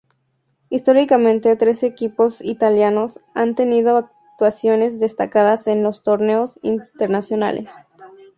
Históricamente tres equipos italianos han tenido actuaciones destacadas en los torneos internacionales.